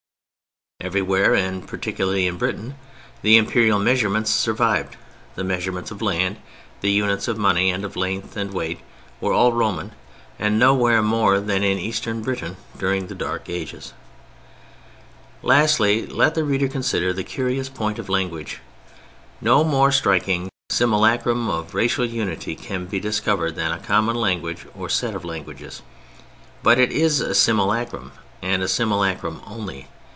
Everywhere, and particularly in Britain, the Imperial measurements survived—the measurement of land, the units of money and of length and weight were all Roman, and nowhere more than in Eastern Britain during the Dark Ages. Lastly, let the reader consider the curious point of language. No more striking simulacrum of racial unity can be discovered than a common language or set of languages; but it is a simulacrum, and a simulacrum only.